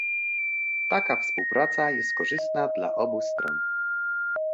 Taka współpraca jest korzystna dla obu stron